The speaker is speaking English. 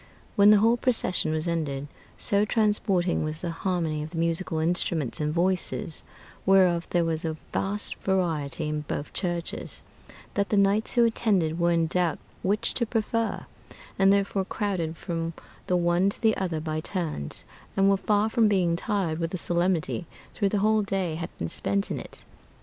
When the whole procession was ended, so transporting was the harmony of the musical instruments and voices, whereof there was a vast variety in both churches, that the knights who attended were in doubt which to prefer, and therefore crowded from the one to the other by turns, and were far from being tired with the solemnity, though the whole day had been spent in it.